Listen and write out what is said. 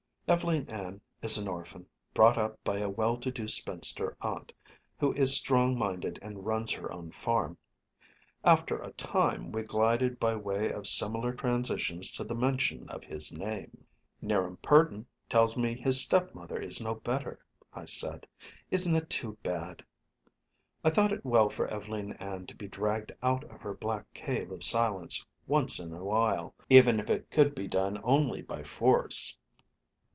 Ev'leen Ann is an orphan, brought up by a well to do spinster aunt, who is strong minded and runs her own farm. After a time we glided by way of similar transitions to the mention of his name. "'Niram Purdon tells me his stepmother is no better," I said. "Isn't it too bad?" I thought it well for Ev'leen Ann to be dragged out of her black cave of silence once in a while, even if it could be done only by force.